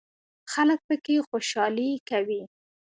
خلک پکې خوشحالي کوي.